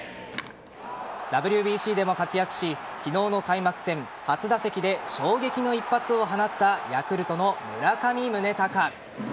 ＷＢＣでも活躍し昨日の開幕戦初打席で衝撃の一発を放ったヤクルトの村上宗隆。